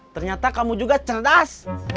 ternyata kamu juga cerdas